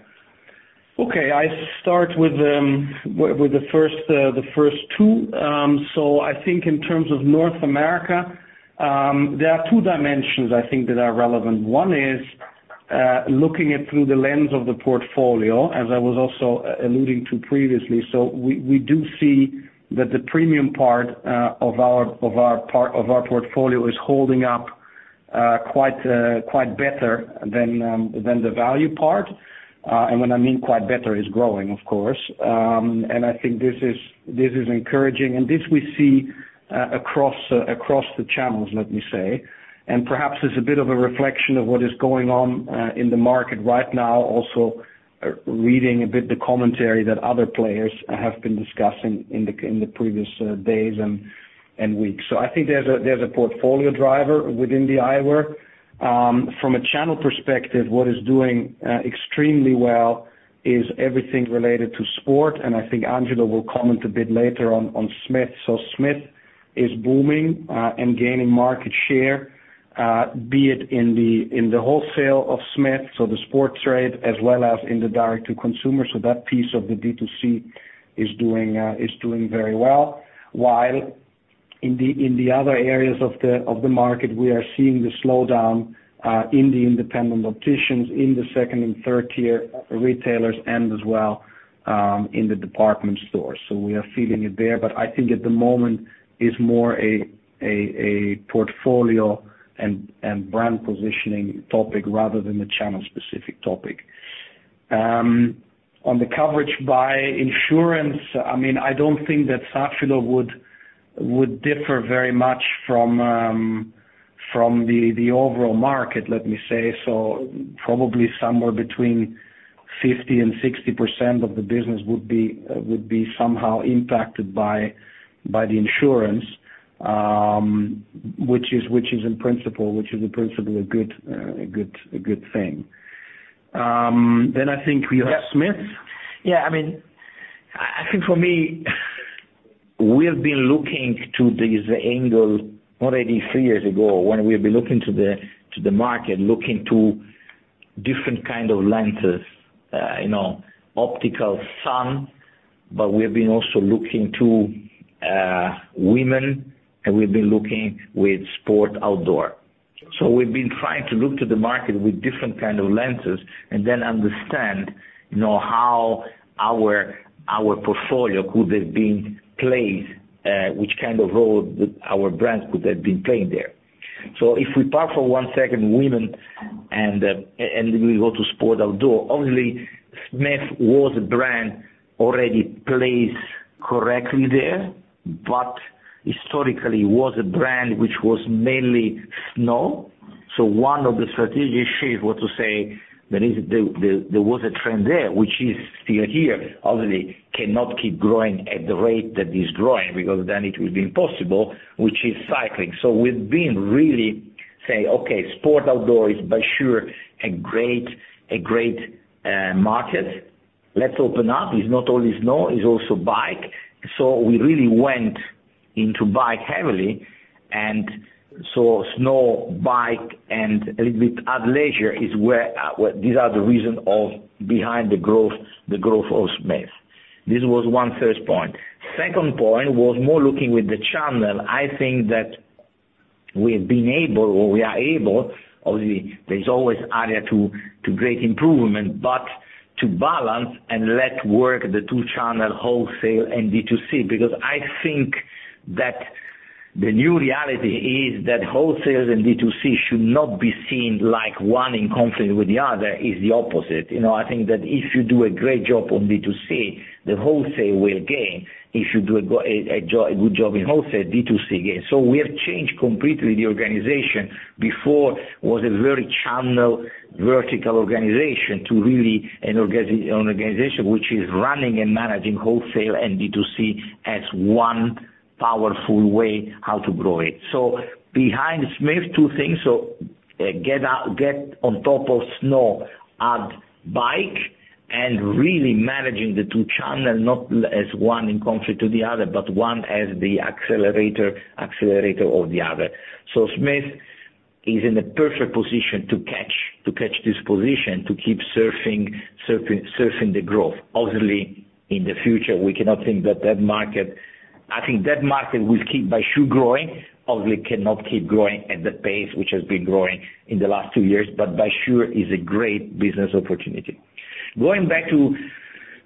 Okay. I start with the first two. I think in terms of North America, there are two dimensions I think that are relevant. One is looking through the lens of the portfolio, as I was also alluding to previously. We do see that the premium part of our portfolio is holding up quite better than the value part. What I mean by quite better, it's growing, of course. I think this is encouraging. This we see across the channels, let me say. Perhaps it's a bit of a reflection of what is going on in the market right now also. Reading a bit the commentary that other players have been discussing in the previous days and weeks. I think there's a portfolio driver within the eyewear. From a channel perspective, what is doing extremely well is everything related to sport, and I think Angelo will comment a bit later on Smith. Smith is booming and gaining market share, be it in the wholesale of Smith, so the sports trade as well as in the direct to consumer. That piece of the D2C is doing very well. While in the other areas of the market, we are seeing the slowdown in the independent opticians, in the second and third tier retailers and as well, in the department stores. We are feeling it there. I think at the moment is more a portfolio and brand positioning topic rather than the channel-specific topic. On the coverage by insurance, I mean, I don't think that Safilo would differ very much from the overall market, let me say. Probably somewhere between 50% and 60% of the business would be somehow impacted by the insurance, which is in principle a good thing. I think we have Smith. Yeah, I mean, I think for me, we have been looking to this angle already three years ago when we've been looking to the market, looking to different kind of lenses, you know, optical sun. We've been also looking to women, and we've been looking with sport outdoor. We've been trying to look to the market with different kind of lenses and then understand, you know, how our portfolio could have been placed, which kind of role our brand could have been playing there. If we park for one second women and we go to sport outdoor, obviously Smith was a brand already placed correctly there, but historically was a brand which was mainly snow. One of the strategic shift was to say there was a trend there which is still here, obviously cannot keep growing at the rate that is growing because then it will be impossible, which is cycling. We've been really saying, okay, sport outdoor is for sure a great market. Let's open up. It's not only snow, it's also bike. We really went into bike heavily, and snow, bike and a little bit of leisure is where these are the reasons behind the growth of Smith. This was the first point. Second point was more looking at the channel. I think that we've been able or we are able, obviously there's always area to great improvement, but to balance and let work the two channel wholesale and D2C, because I think that the new reality is that wholesalers and D2C should not be seen like one in conflict with the other, is the opposite. You know, I think that if you do a great job on D2C, the wholesale will gain. If you do a good job in wholesale, D2C gains. We have changed completely the organization. Before was a very channel vertical organization to really an organization which is running and managing wholesale and D2C as one powerful way how to grow it. Behind Smith, two things. Get out, get on top of snow and bike, and really managing the two channels, not as one in conflict to the other, but one as the accelerator of the other. Smith is in a perfect position to catch this position, to keep surfing the growth. Obviously, in the future, we cannot think that that market. I think that market will keep for sure growing, obviously cannot keep growing at the pace which has been growing in the last two years, but for sure is a great business opportunity. Going back to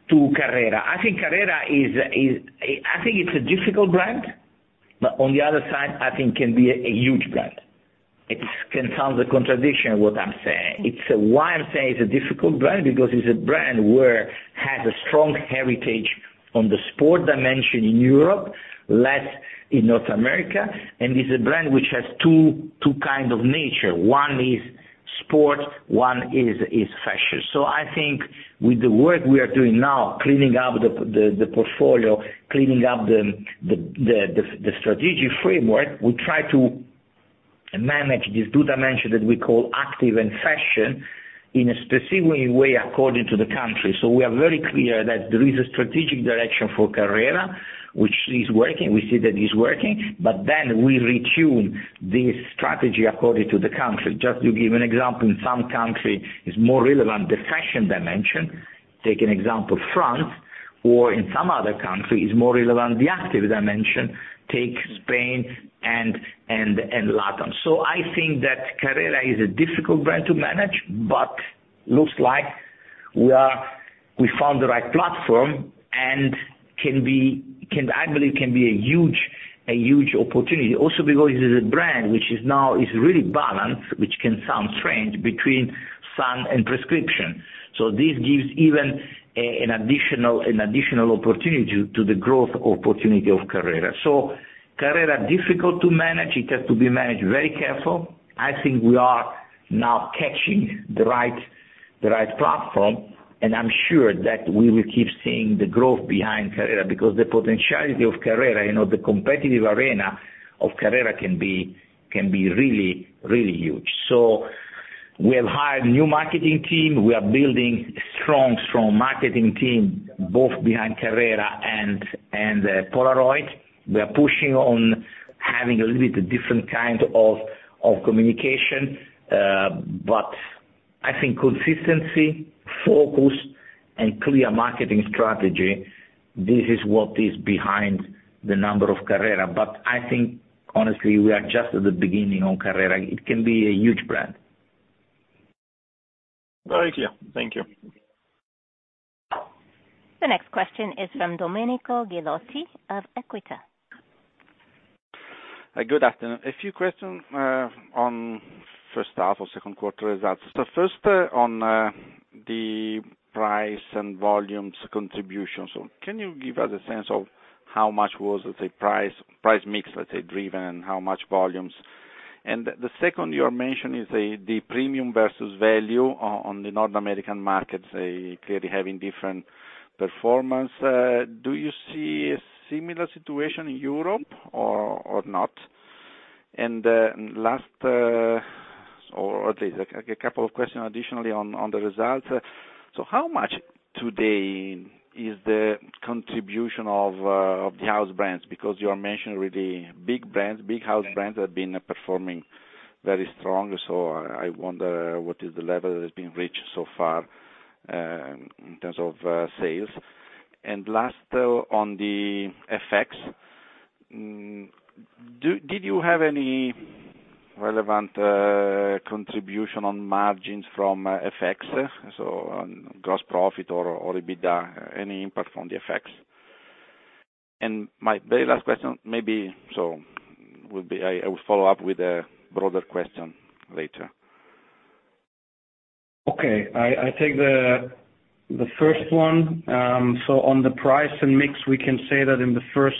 Carrera. I think Carrera is a difficult brand, but on the other side, I think can be a huge brand. It can sound a contradiction what I'm saying. It's a. Why I'm saying it's a difficult brand? It's a brand which has a strong heritage on the sport dimension in Europe, less in North America, and it's a brand which has two kinds of nature. One is sport, one is fashion. I think with the work we are doing now, cleaning up the portfolio, cleaning up the strategic framework, we try to manage these two dimensions that we call active and fashion in a specific way according to the country. We are very clear that there is a strategic direction for Carrera which is working. We see that it's working. We retune this strategy according to the country. Just to give an example, in some country is more relevant the fashion dimension. Take an example, France or in some other country is more relevant the active dimension, take Spain and Latin. I think that Carrera is a difficult brand to manage, but looks like we found the right platform and can be a huge opportunity also because it's a brand which is now really balanced, which can sound strange between sun and prescription. This gives even an additional opportunity to the growth opportunity of Carrera. Carrera difficult to manage. It has to be managed very careful. I think we are now catching the right platform, and I'm sure that we will keep seeing the growth behind Carrera because the potentiality of Carrera, you know, the competitive arena of Carrera can be really huge. We have hired new marketing team. We are building strong marketing team, both behind Carrera and Polaroid. We are pushing on having a little bit different kind of communication. I think consistency, focus, and clear marketing strategy, this is what is behind the number of Carrera. I think honestly, we are just at the beginning on Carrera. It can be a huge brand. Very clear. Thank you. The next question is from Domenico Ghilotti of Equita. Good afternoon. A few questions on first half or second quarter results. First on the price and volumes contributions. Can you give us a sense of how much was, let's say, price mix driven, and how much volumes? The second you are mentioning is the premium versus value on the North American markets clearly having different performance. Do you see a similar situation in Europe or not? Last, there's a couple of questions additionally on the results. How much today is the contribution of the house brands? Because you are mentioning really big brands, big house brands have been performing very strong. I wonder what is the level that has been reached so far in terms of sales. Last, on the FX, did you have any relevant contribution on margins from FX? On gross profit or EBITDA, any impact from the FX? My very last question maybe so would be I will follow up with a broader question later. I take the first one. On the price and mix, we can say that in the first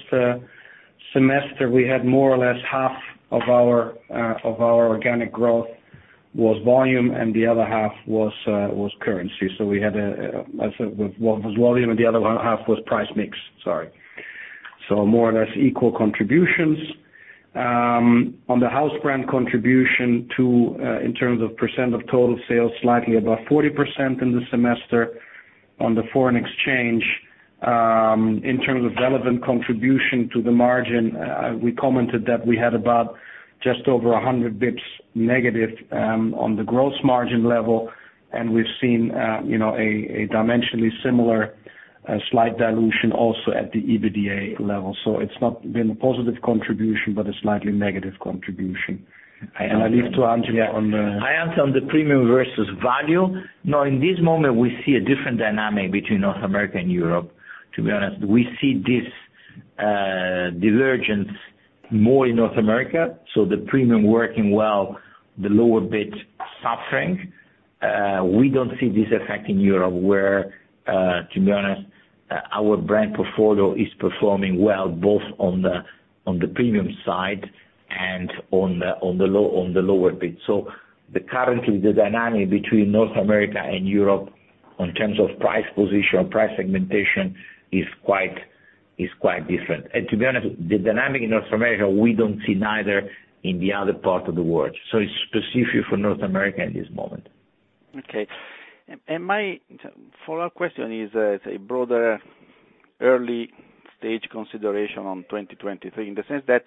semester, we had more or less half of our organic growth was volume, and the other half was currency. We had as with volume, and the other one half was price mix. Sorry. More or less equal contributions. On the house brand contribution to in terms of percent of total sales, slightly above 40% in the semester. On the foreign exchange, in terms of relevant contribution to the margin, we commented that we had about just over 100 basis points negative on the gross margin level, and we've seen you know, a dimensionally similar slight dilution also at the EBITDA level. It's not been a positive contribution, but a slightly negative contribution. At least to answer on the. Yeah. I answer on the premium versus value. Now, in this moment, we see a different dynamic between North America and Europe, to be honest. We see this divergence more in North America, so the premium working well, the lower bit suffering. We don't see this effect in Europe where, to be honest, our brand portfolio is performing well, both on the premium side and on the lower bit. So currently, the dynamic between North America and Europe in terms of price position or price segmentation is quite different. To be honest, the dynamic in North America, we don't see neither in the other part of the world. So it's specific for North America in this moment. Okay. My follow-up question is, say, broader early stage consideration on 2023, in the sense that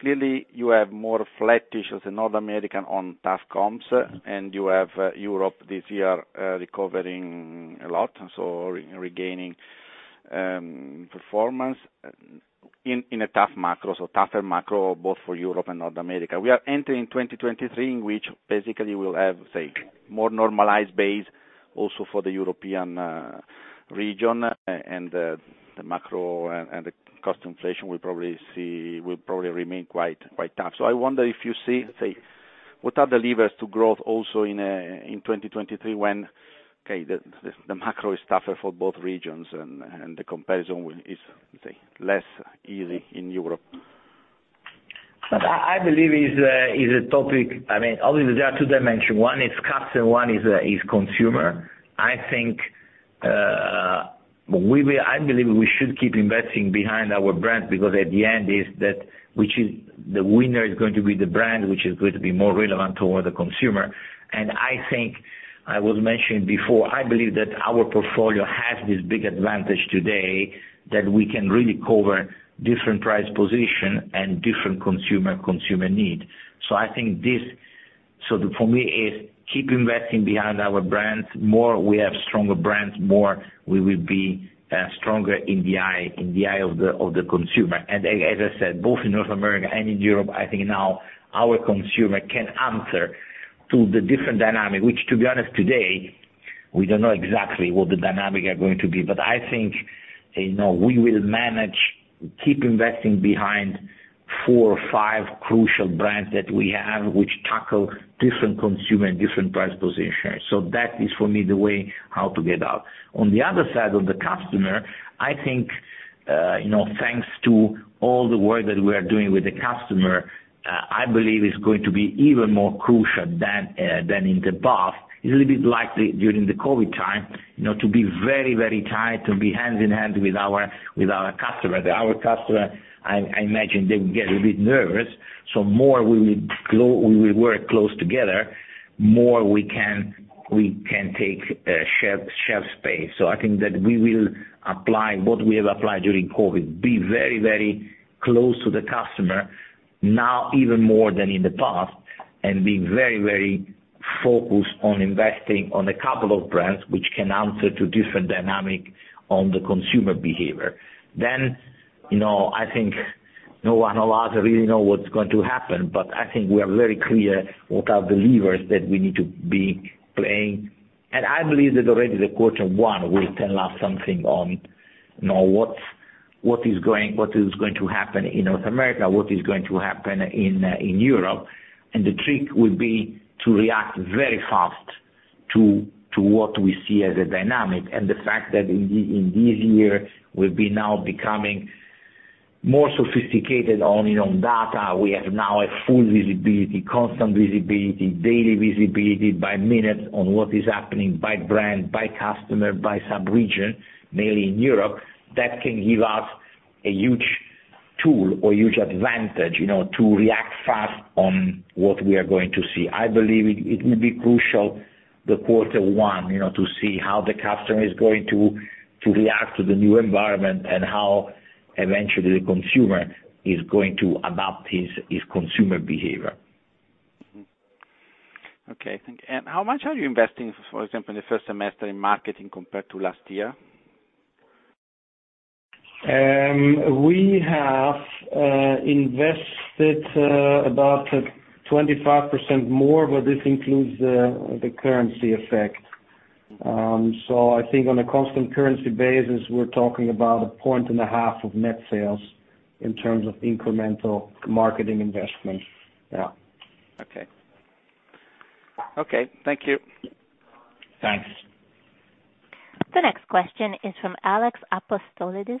clearly you have more flat issues in North America on tough comps, and you have Europe this year recovering a lot, so regaining performance in a tough macro, so tougher macro both for Europe and North America. We are entering 2023, in which basically we'll have, say, more normalized base also for the European region and the macro and the cost inflation will probably remain quite tough. I wonder if you see, say, what are the levers to growth also in 2023 when the macro is tougher for both regions and the comparison is, say, less easy in Europe? I believe is a topic. I mean, obviously there are two dimensions. One is custom, one is consumer. I think I believe we should keep investing behind our brand because at the end is that, which is the winner is going to be the brand, which is going to be more relevant toward the consumer. I think I was mentioning before, I believe that our portfolio has this big advantage today that we can really cover different price position and different consumer need. For me is keep investing behind our brands. More we have stronger brands, more we will be stronger in the eye of the consumer. As I said, both in North America and in Europe, I think now our consumer can answer to the different dynamic, which, to be honest, today, we don't know exactly what the dynamic are going to be. I think, you know, we will manage, keep investing behind four or five crucial brands that we have which tackle different consumer and different price positions. That is for me, the way how to get out. On the other side of the customer, I think, you know, thanks to all the work that we are doing with the customer. I believe is going to be even more crucial than in the past, is a little bit likely during the COVID time, you know, to be very, very tight, to be hand in hand with our customer. That our customer, I imagine they will get a bit nervous, so more we will work close together, more we can take shelf space. I think that we will apply what we have applied during COVID, be very, very close to the customer, now even more than in the past, and be very, very focused on investing on a couple of brands which can answer to different dynamic on the consumer behavior. Then, you know, I think no one knows or really knows what's going to happen, but I think we are very clear what are the levers that we need to be playing. I believe that already the quarter one will tell us something on, you know, what is going to happen in North America, what is going to happen in Europe. The trick will be to react very fast to what we see as a dynamic. The fact that in this year, we'll be now becoming more sophisticated only on data. We have now a full visibility, constant visibility, daily visibility by minute on what is happening by brand, by customer, by sub-region, mainly in Europe. That can give us a huge tool or huge advantage, you know, to react fast on what we are going to see. I believe it will be crucial, the quarter one, you know, to see how the customer is going to react to the new environment and how eventually the consumer is going to adapt his consumer behavior. Okay. Thank you. How much are you investing, for example, in the first semester in marketing compared to last year? We have invested about 25% more, but this includes the currency effect. So I think on a constant currency basis, we're talking about 1.5 points of net sales in terms of incremental marketing investment. Okay. Thank you. Thanks. The next question is from Alex Apostolides of [Beren].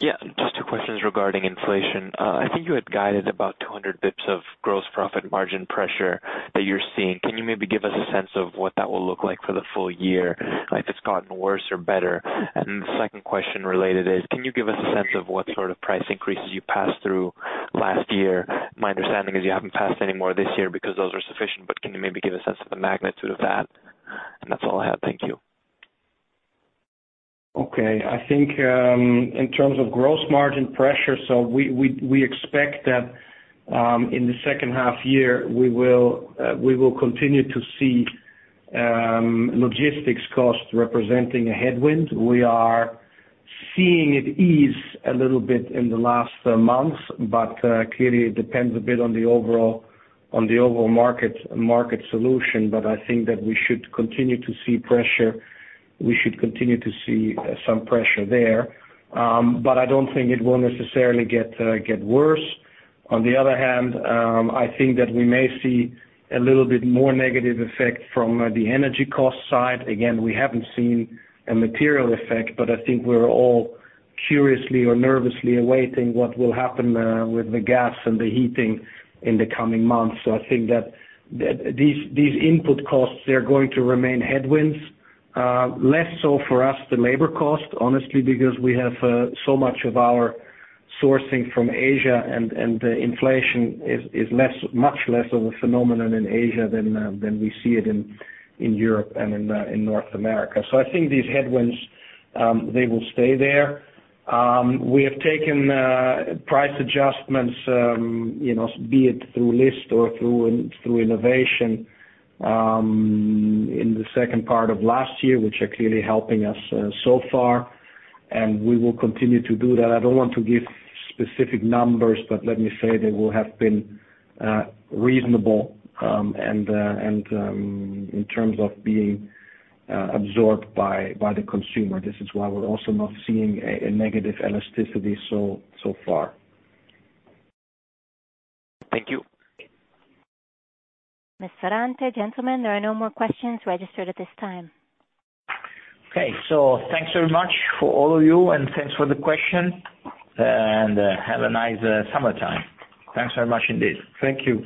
Yeah. Just two questions regarding inflation. I think you had guided about 200 basis points of gross profit margin pressure that you're seeing. Can you maybe give us a sense of what that will look like for the full year, if it's gotten worse or better? The second question related is, can you give us a sense of what sort of price increases you passed through last year? My understanding is you haven't passed any more this year because those are sufficient, but can you maybe give a sense of the magnitude of that? That's all I have. Thank you. I think in terms of gross margin pressure, we expect that in the second half year, we will continue to see logistics costs representing a headwind. We are seeing it ease a little bit in the last months, but clearly it depends a bit on the overall market situation. I think that we should continue to see pressure. We should continue to see some pressure there. I don't think it will necessarily get worse. On the other hand, I think that we may see a little bit more negative effect from the energy cost side. Again, we haven't seen a material effect, but I think we're all curiously or nervously awaiting what will happen with the gas and the heating in the coming months. I think that these input costs, they are going to remain headwinds. Less so for us, the labor cost, honestly, because we have so much of our sourcing from Asia and the inflation is less, much less of a phenomenon in Asia than we see it in Europe and in North America. I think these headwinds, they will stay there. We have taken price adjustments, you know, be it through list or through innovation in the second part of last year, which are clearly helping us so far, and we will continue to do that. I don't want to give specific numbers, but let me say they will have been reasonable and in terms of being absorbed by the consumer. This is why we're also not seeing a negative elasticity so far. Thank you. Ms. Ferrante, gentlemen, there are no more questions registered at this time. Okay. Thanks very much for all of you, and thanks for the question. Have a nice summertime. Thanks very much indeed. Thank you.